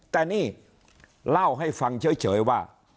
แต่นี่เล่าให้ฟังเฉยว่า